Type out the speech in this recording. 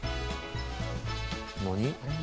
何？